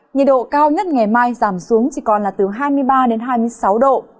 nhiệt độ cao nhất ngày mai giảm xuống chỉ còn là từ hai mươi ba đến hai mươi sáu độ